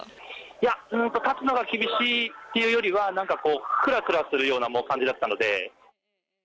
いや立つのが厳しいというよりはくらくらするような感じだったので。